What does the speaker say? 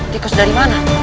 tikus dari mana